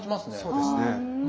そうですね。